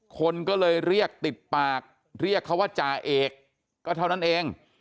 คนก็เลยเรียกติดปากเรียกเขาว่าจ่าเอกก็เท่านั้นเอง